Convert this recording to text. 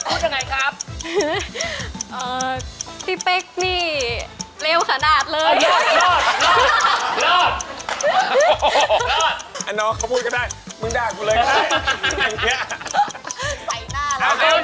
เอออันอย่างนี้เบอร์๓ถ้าพูดว่าพี่เป๊กนิสัยชั่วมากพูดอย่างไรครับ